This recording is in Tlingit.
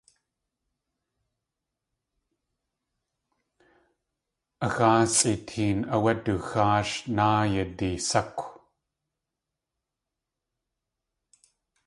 A xáasʼi teen áwé duxáash náayadi sákw.